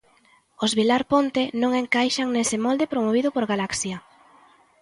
Os Vilar Ponte non encaixan nese molde promovido por Galaxia.